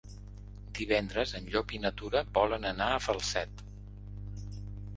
Divendres en Llop i na Tura volen anar a Falset.